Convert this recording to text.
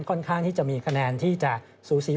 ค่อนข้างที่จะมีคะแนนที่จะสูสี